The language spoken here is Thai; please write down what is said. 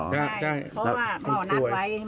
ใช่เพราะว่าเขานัดไว้